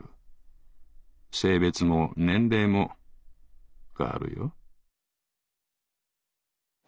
性別も年齢も変わるよ」。